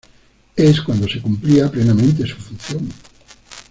Es cuando se cumplía plenamente su función.